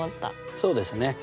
そうですね。